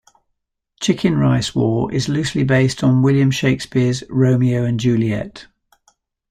"Chicken Rice War" is loosely based on William Shakespeare's "Romeo and Juliet".